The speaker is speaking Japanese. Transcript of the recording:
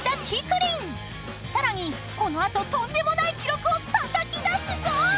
［さらにこの後とんでもない記録をたたき出すぞ！］